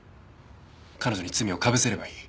彼女に罪をかぶせればいい。